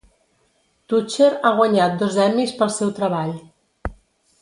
Toucher ha guanyat dos Emmys pel seu treball.